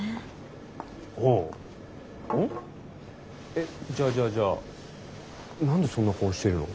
えっじゃあじゃあじゃあ何でそんな顔してるの？